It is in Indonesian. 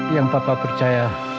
yang papa percaya